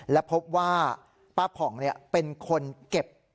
และพบว่าป้าผ่องเป็นคนเก็บ